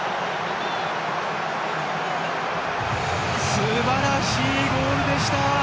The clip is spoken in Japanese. すばらしいゴールでした！